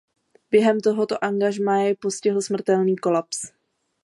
Během tohoto angažmá jej postihl smrtelný kolaps.